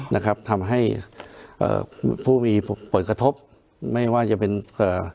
นะครับทำให้เอ่อผู้มีผลกระทบไม่ว่าจะเป็นเอ่อ